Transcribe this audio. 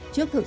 trước thực sự